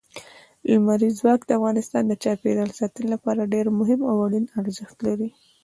لمریز ځواک د افغانستان د چاپیریال ساتنې لپاره ډېر مهم او اړین ارزښت لري.